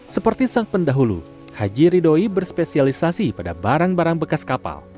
seperti sang pendahulu haji ridoi berspesialisasi pada barang barang bekas kapal